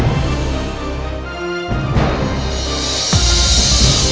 biar gak telat